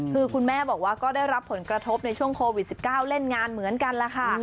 คือคุณแม่บอกว่าก็ได้รับผลกระทบในช่วงโควิด๑๙เล่นงานเหมือนกันล่ะค่ะ